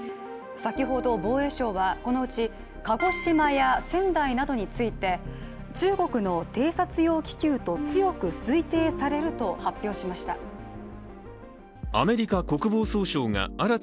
先ほど防衛省は、このうち鹿児島や仙台などについて、中国の偵察用気球と強く推定されると発表しました。